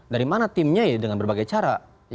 dari mana timnya ya dengan berbagai cara